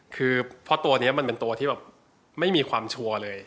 คือเพราะตัวนี้มันเป็นตัวที่แบบไม่มีความชัวร์เลย